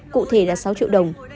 cụ thể là sáu triệu đồng